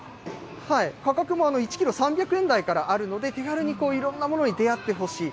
価格も１キロ３００円台からあるので、気軽にいろんなものに出会ってほしい。